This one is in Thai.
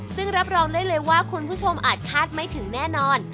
ซึ่งรับรองได้เลยว่าคุณผู้ชมอาจคาดไม่ถึงแน่นอน